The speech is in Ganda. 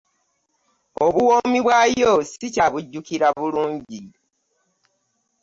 Obuwoomi bwayo ssikyabujjukira bulungi.